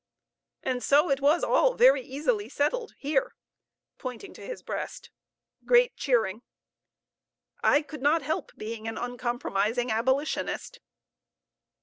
And so it was all very easily settled here (pointing to his breast). (Great cheering.) I could not help being an uncompromising abolitionist.